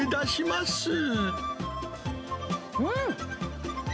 うん！